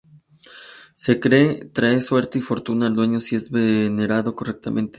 Se cree trae suerte y fortuna al dueño si es venerado correctamente.